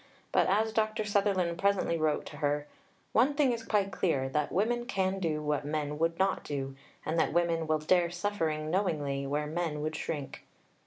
But as Dr. Sutherland presently wrote to her, "one thing is quite clear, that women can do what men would not do, and that women will dare suffering knowingly where men would shrink."